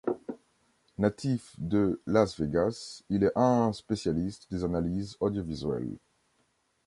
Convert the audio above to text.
Natif de Las Vegas, il est un spécialiste des analyses audiovisuelles.